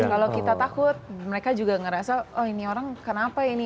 kalau kita takut mereka juga ngerasa oh ini orang kenapa ini